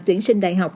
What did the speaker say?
tuyển sinh đại học